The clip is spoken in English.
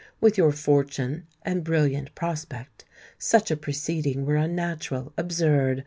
With your fortune and brilliant prospect, such a proceeding were unnatural—absurd.